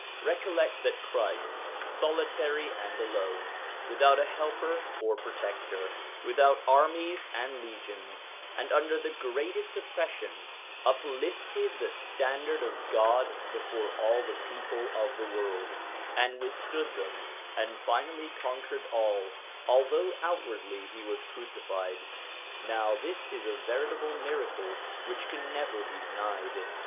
Recollect that Christ, solitary and alone, without a helper or protector, without armies and legions, and under the greatest oppression, uplifted the standard of God before all the people of the world, and withstood them, and finally conquered all, although outwardly he was crucified. Now this is a veritable miracle which can never be denied.